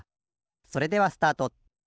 それではスタート。